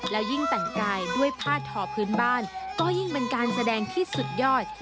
แล้วยิ่งแต่งกายด้วยผ้าทอพื้นบ้านก็ยิ่งเป็นการแสดงที่สุดยอด